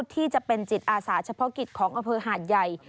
ที่จะเป็นจิตอาสาเฉพาะกิจของอำเภอหาดใหญ่